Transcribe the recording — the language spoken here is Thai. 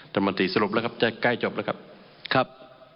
ธรรมดิสรุปแล้วครับจะใกล้จบแล้วครับครับ